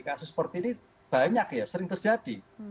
kasus seperti ini banyak ya sering terjadi